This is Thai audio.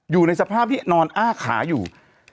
อยู่ในสภาพที่นอนอ้าขาอยู่